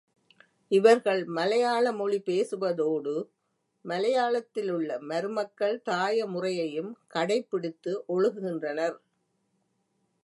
இவர்கள் மலையாள மொழி பேசுவதோடு, மலையாளத்திலுள்ள மருமக்கள் தாய முறையையும் கடைப்பிடித்து ஒழுகுகின்றனர்.